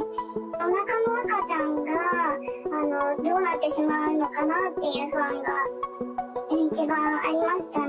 おなかの赤ちゃんがどうなってしまうのかなという不安が一番ありましたね。